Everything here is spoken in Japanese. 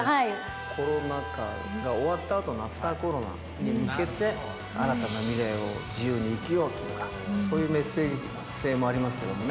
コロナ禍が終わったあとのアフターコロナに向けて、新たな未来を自由に生きようとかそういうメッセージ性もあります